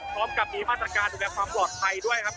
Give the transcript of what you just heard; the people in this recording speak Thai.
พร้อมกับมีประจังการะจัดแววความปลอดภัยด้วยครับ